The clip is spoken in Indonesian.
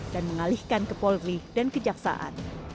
dan mengalihkan kepolri dan kejaksaan